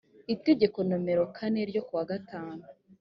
itegeko nomero kane ryo kuwa gatanu